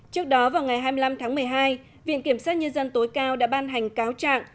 trước đó vào ngày hai mươi năm tháng một mươi hai viện kiểm sát nhân dân tối cao đã ban hành cáo trạng